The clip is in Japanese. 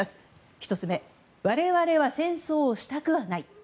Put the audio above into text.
１つ目、我々は戦争をしたくはない。